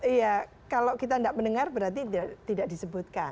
iya kalau kita tidak mendengar berarti tidak disebutkan